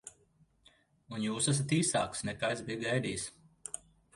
Un jūs esat īsāks, nekā es biju gaidījis.